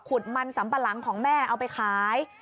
มันสัมปะหลังของแม่เอาไปขาย